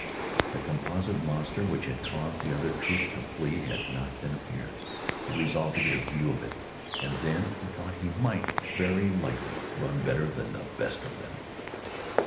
The composite monster which had caused the other troops to flee had not then appeared. He resolved to get a view of it, and then, he thought he might very likely run better than the best of them.